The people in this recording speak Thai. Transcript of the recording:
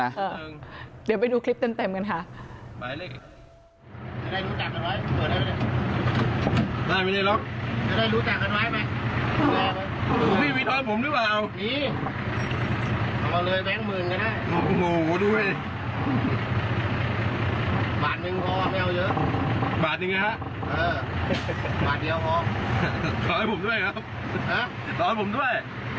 บาทเดียวพอขอให้ผมด้วยครับฮะขอให้ผมด้วย